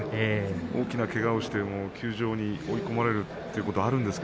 大きなけがをして休場に追い込まれるということはあるんです。